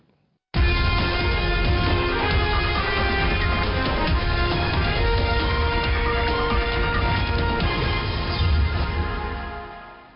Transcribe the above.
สวัสดีครับ